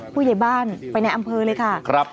ผู้ใหญ่บ้านไปในอำเภอเลยค่ะ